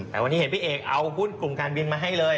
แต่วันนี้เห็นพี่เอกเอาหุ้นกลุ่มการบินมาให้เลย